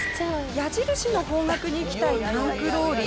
矢印の方角に行きたいタンクローリー。